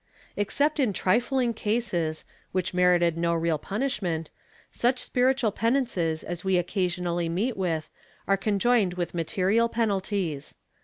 Except in trifling cases, which merited no real punishment, such spiritual penances as we occasionally meet with are conjoined with material penalties.